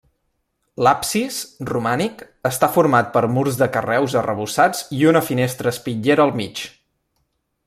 L'absis, romànic, està format per murs de carreus arrebossats i una finestra espitllera al mig.